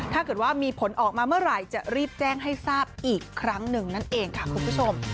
ถ้าเกิดว่ามีผลออกมาเมื่อไหร่จะรีบแจ้งให้ทราบอีกครั้งหนึ่งนั่นเองค่ะคุณผู้ชม